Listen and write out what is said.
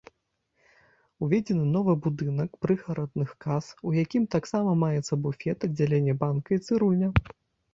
Уведзены новы будынак прыгарадных кас, у якім таксама маецца буфет, аддзяленне банка і цырульня.